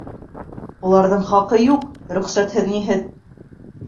Уларҙың хаҡы юҡ, рөхсәтһеҙ-ниһеҙ!..